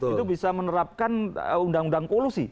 itu bisa menerapkan undang undang kolusi